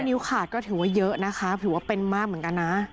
นิ้วขาดก็ถือว่าเยอะนะคะถือว่าเป็นมากเหมือนกันนะ